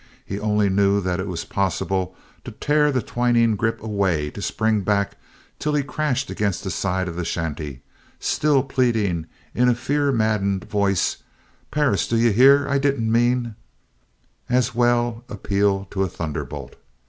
He only knew that it was possible to tear the twining grip away, to spring back till he crashed against the side of the shanty, still pleading in a fear maddened voice: "Perris, d'you hear? I didn't mean " As well appeal to a thunder bolt.